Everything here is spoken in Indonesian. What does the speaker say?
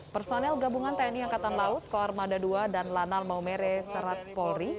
personel gabungan tni angkatan laut koarmada ii dan lanal maumere serat polri